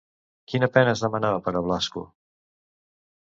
Quina pena es demanava per a Blasco?